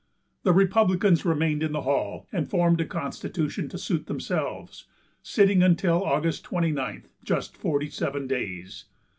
The Republicans remained in the hall, and formed a constitution to suit themselves, sitting until August 29th, just forty seven days.